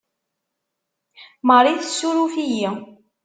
Marie tessuruf-iyi.